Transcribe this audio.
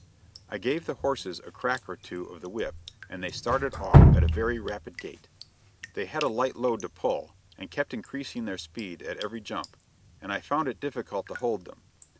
I gave the horses a crack or two of the whip, and they started off at a very rapid gait. They had a light load to pull, and kept increasing their speed at every jump, and I found it difficult to hold them.